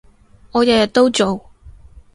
我日日都做